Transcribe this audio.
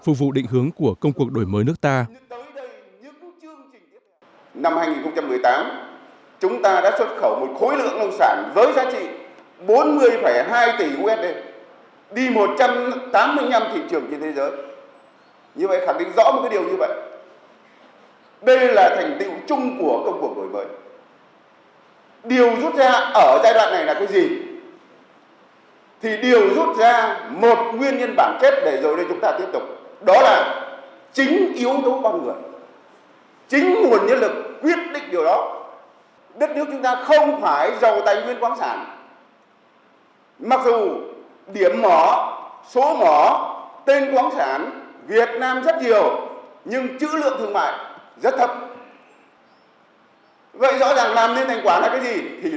chính nguồn nhân lực quyết định điều đó đất nước chúng ta không phải giàu tài nguyên quán sản mặc dù điểm mỏ số mỏ tên quán sản việt nam rất nhiều nhưng chữ lượng thương mại rất thấp vậy rõ ràng làm nên thành quả là cái gì thì là con người